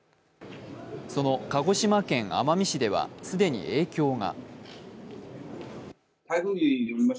その鹿児島県奄美市では既に影響が。